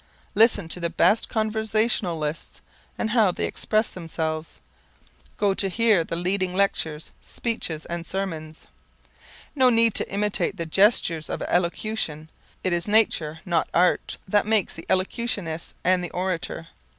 Listen to the best conversationalists and how they express themselves. Go to hear the leading lectures, speeches and sermons. No need to imitate the gestures of elocution, it is nature, not art, that makes the elocutionist and the orator.